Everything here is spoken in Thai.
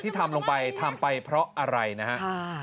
ทำลงไปทำไปเพราะอะไรนะฮะ